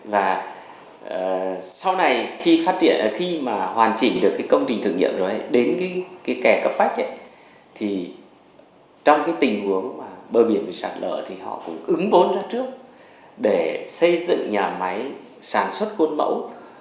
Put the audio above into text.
và sau này khi hoàn chỉnh được công trình thử nghiệm rồi đến cái kẻ cấp bách ấy thì trong cái tình huống bờ biển bị sạt lỡ thì họ cũng ứng vốn ra trước để xây dựng nhà máy sản xuất khuôn mẫu